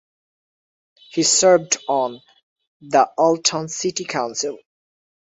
He served on the Alton City Council.